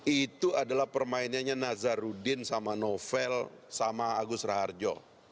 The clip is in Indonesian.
itu adalah permainannya nazarudin sama novel sama agus raharjo